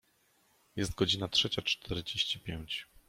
Jest godzina trzecia czterdzieści pięć.